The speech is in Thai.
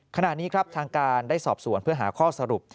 ขณะนี้ครับทางการได้สอบสวนเพื่อหาข้อสรุป